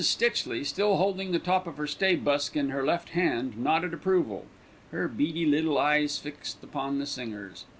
Stitchley, still holding the top of her stay busk in her left hand, nodded approval, her beady little eyes fixed upon the singers.